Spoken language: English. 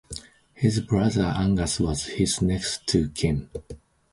His brother Angus was his next of kin.